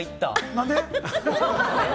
何で？